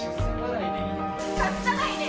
隠さないで！